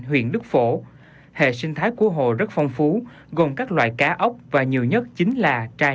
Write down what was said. huyện đức phổ hệ sinh thái của hồ rất phong phú gồm các loại cá ốc và nhiều nhất chính là chai